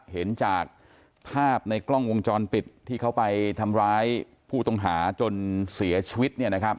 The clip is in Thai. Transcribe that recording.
เห็นจากภาพในกล้องวงจรปิดที่เขาไปทำร้ายผู้ต้องหาจนเสียชีวิต